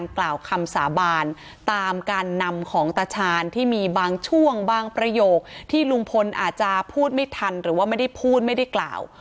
กล่าวคำสาบานตามการนำของตาชาญที่มีบางช่วงบางประโยคที่ลุงพลอาจจะพูดไม่ทันหรือว่าไม่ได้พูดไม่ได้กล่าว